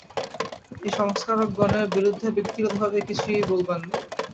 এই সংস্কারকগণের বিরুদ্ধে ব্যক্তিগতভাবে কিছুই বলিবার নাই।